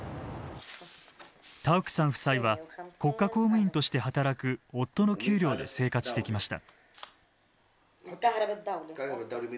タウクさん夫妻は国家公務員として働く夫の給料で生活してきました。